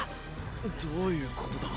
どういうことだ？